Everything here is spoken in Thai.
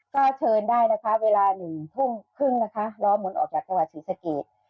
ก็เชิญได้นะคะเวลา๑ทุ่มครึ่งนะคะล้อมนต์ออกจากตลาดสีสะเกียจ